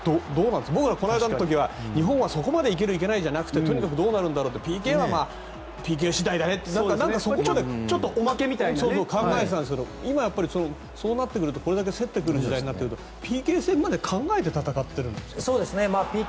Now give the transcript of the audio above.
この間の時は日本はそこまで行けるとか行けないとかじゃなくてとにかくどうなるんだろうってＰＫはＰＫだねって考えてたんだけど今はそうなってくるとこれだけ競ってくる時代になるとＰＫまで考えて戦っているんですか。